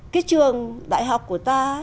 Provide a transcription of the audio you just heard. cái trường đại học của ta